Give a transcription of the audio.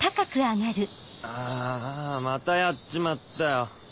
ああまたやっちまったよ。